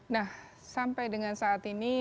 nah sampai dengan saat ini